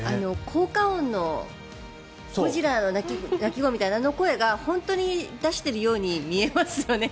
効果音のゴジラの鳴き声みたいな声が本当に出しているように見えますよね。